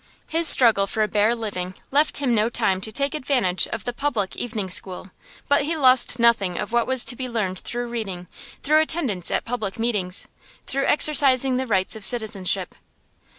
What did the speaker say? His struggle for a bare living left him no time to take advantage of the public evening school; but he lost nothing of what was to be learned through reading, through attendance at public meetings, through exercising the rights of citizenship.